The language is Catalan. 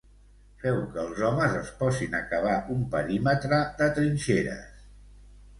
Feu que els homes es posin a cavar un perímetre de trinxeres.